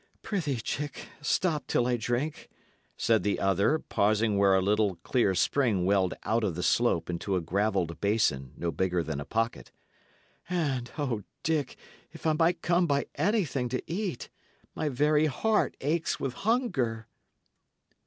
"Prithee, Dick, stop till I drink," said the other, pausing where a little clear spring welled out of the slope into a gravelled basin no bigger than a pocket. "And O, Dick, if I might come by anything to eat! my very heart aches with hunger."